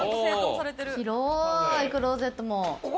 広い、クロゼットも。